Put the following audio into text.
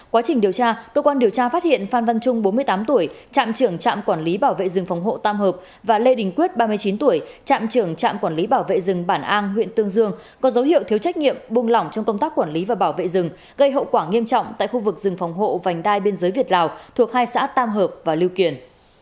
quá trình điều tra cơ quan điều tra phát hiện phan văn trung bốn mươi tám tuổi trạm trưởng trạm quản lý bảo vệ rừng phòng hộ tam hợp và lê đình quyết ba mươi chín tuổi trạm trưởng trạm quản lý bảo vệ rừng bản an huyện tương dương có dấu hiệu thiếu trách nhiệm buông lỏng trong công tác quản lý và bảo vệ rừng gây hậu quả nghiêm trọng tại khu vực rừng phòng hộ vành đai biên giới việt lào thuộc hai xã tam hợp và lưu kiền